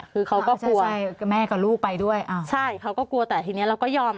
คือเขาก็กลัวใช่แม่กับลูกไปด้วยอ้าวใช่เขาก็กลัวแต่ทีนี้เราก็ยอม